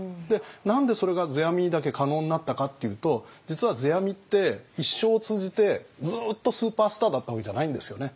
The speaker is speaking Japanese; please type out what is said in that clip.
何でそれが世阿弥にだけ可能になったかっていうと実は世阿弥って一生を通じてずっとスーパースターだったわけじゃないんですよね。